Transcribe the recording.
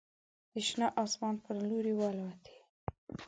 د شنه اسمان په لوري والوتې